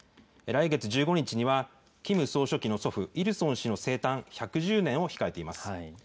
来月１５日には、キム総書記の祖父、イルソン氏の生誕１１０年を控えています。